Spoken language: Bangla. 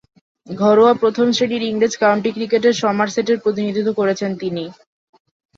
ঘরোয়া প্রথম-শ্রেণীর ইংরেজ কাউন্টি ক্রিকেটে সমারসেটের প্রতিনিধিত্ব করেছেন তিনি।